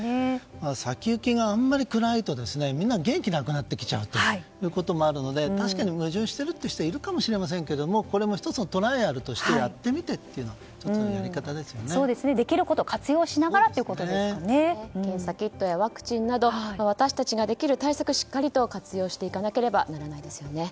先行きがあまり暗いとみんな元気がなくなってきちゃうということもあるので確かに矛盾しているという人がいるかもしれませんがこれも１つのトライアルとしてやってみてというできること活用しながら検査キットやワクチンなど私たちができる対策をしっかり活用していかなければなりませんね。